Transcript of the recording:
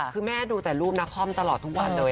คือแม่ดูแต่รูปนาคอมตลอดทุกวันเลย